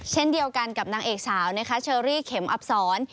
เช่นเดียวกันกับนางเอกสาวนะคะเชอรี่เข็มอับศร